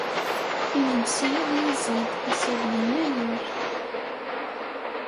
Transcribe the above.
Imensi ad yiẓid ass-a d yennayer.